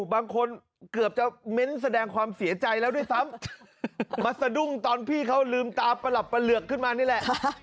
บางคนเกือบจะเม้นต์แสดงความเสียใจแล้วด้วยซ้ำมาสะดุ้งตอนพี่เขาลืมตาประหลับประเหลือกขึ้นมานี่แหละ